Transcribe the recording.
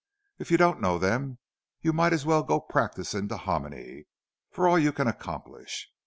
If you don't know them, you might as well go practise in Dahomey, for all you can accomplish.